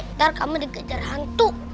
ntar kamu dikejar hantu